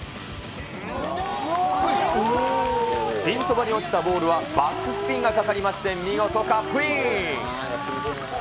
ピンそばに落ちたボールは、バックスピンがかかりまして、見事カップイン。